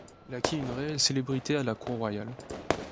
Il acquit une réelle célébrité à la cour royale.